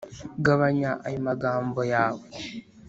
Gabanya ayo magambo yawe